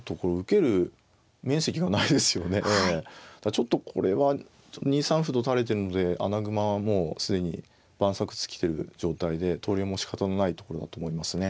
ちょっとこれは２三歩と垂れてるので穴熊はもう既に万策尽きてる状態で投了もしかたのないところだと思いますね。